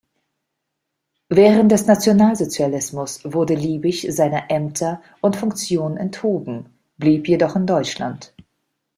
Während des Nationalsozialismus wurde Liebig seiner Ämter und Funktionen enthoben, blieb jedoch in Deutschland.